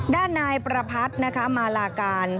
ด้านนายประพัทธ์นะคะมาลาการ